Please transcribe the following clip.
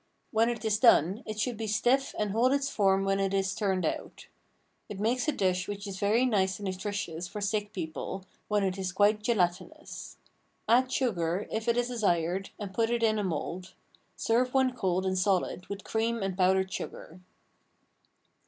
When it is done it should be stiff and hold its form when it is turned out. It makes a dish which is very nice and nutritious for sick people, when it is quite gelatinous. Add sugar, if it is desired, and put it in a mould. Serve when cold and solid with cream and powdered sugar.